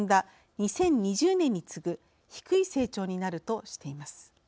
２０２０年に次ぐ低い成長になるとしています。